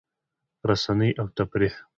رسنۍ او تفریح